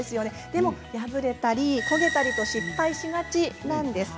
でも破れたり、焦げたりと失敗しがちなんです。